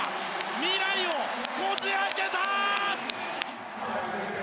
未来をこじ開けた！